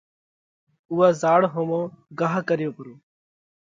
اُوئا زاۯ ۿومو گھا ڪريو پرو۔